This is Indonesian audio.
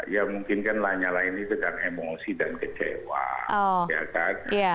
ya mungkin kan lanya lah ini dengan emosi dan kecewa